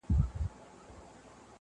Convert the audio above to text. نو دا به احساس شي چې دواړه